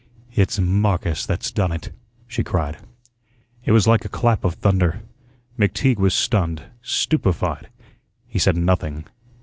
"It's Marcus that's done it," she cried. It was like a clap of thunder. McTeague was stunned, stupefied. He said nothing.